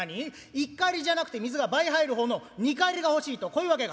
１荷入りじゃなくて水が倍入る方の２荷入りが欲しいとこういう訳か？」。